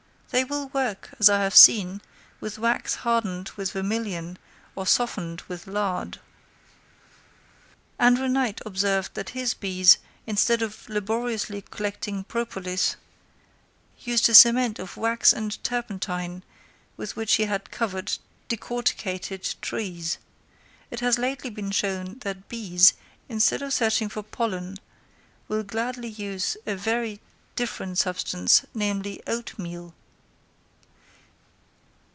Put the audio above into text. They will work, as I have seen, with wax hardened with vermilion or softened with lard. Andrew Knight observed that his bees, instead of laboriously collecting propolis, used a cement of wax and turpentine, with which he had covered decorticated trees. It has lately been shown that bees, instead of searching for pollen, will gladly use a very different substance, namely, oatmeal.